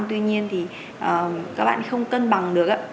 tuy nhiên thì các bạn không cân bằng được